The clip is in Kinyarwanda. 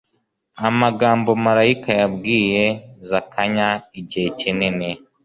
Amagambo malayika yabwiye Zakanya igihe kinini